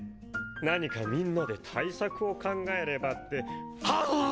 何かみんなで対策を考えればってはぅうう！！